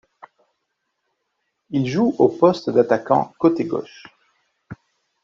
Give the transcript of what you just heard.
Il joue au poste d'attaquant, côté gauche.